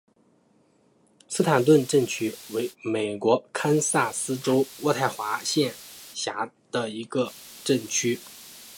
斯坦顿镇区为美国堪萨斯州渥太华县辖下的镇区。